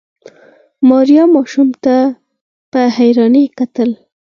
ماريا ماشوم ته په حيرانۍ کتل.